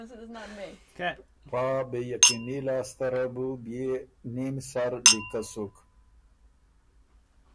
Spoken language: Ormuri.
پا بې یقیني لاسته ره بُو بيې نیم سر لیکۀ سُک